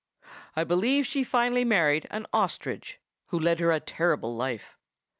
I believe she finally married an ostrich, who led her a terrible life.